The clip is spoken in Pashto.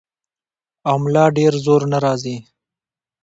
او ملا ډېر زور نۀ راځي -